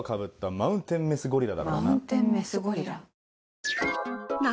マウンテンメスゴリラ。